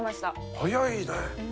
早いね。